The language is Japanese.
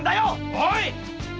おい！